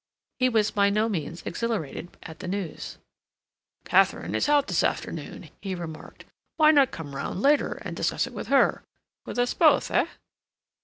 He was by no means exhilarated at the news. "Katharine is out this afternoon," he remarked. "Why not come round later and discuss it with her—with us both, eh?"